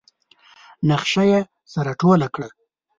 نخشه يې سره ټوله کړه.